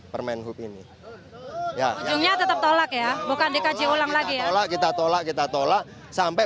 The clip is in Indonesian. permen hub ini ya yang tetap tolak ya bukan dikaji ulang lagi tolak kita tolak kita tolak sampai